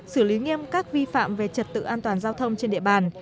xử lý nghiêm các vi phạm về trật tự an toàn giao thông trên địa bàn